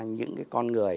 những cái con người